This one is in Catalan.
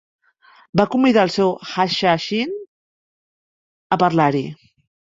Va convidar el seu "hashashin" a parlar-hi.